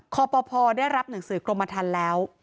ครอบครับพ่อได้รับหนังสือกรมฐานแล้ว